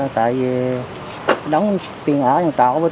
sao ngoài đường mà